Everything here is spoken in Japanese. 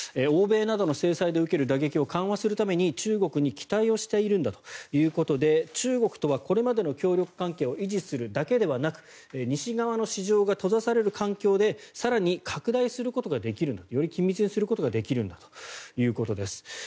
欧米などの制裁で受ける打撃を緩和するために中国に期待をしているんだということで中国とはこれまでの協力関係を維持するだけではなく西側の市場が閉ざされる環境で更に拡大することができるんだより緊密にすることができるんだということです。